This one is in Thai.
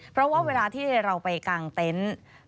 เพราะว่าเวลาที่เราไปกางเต็นต์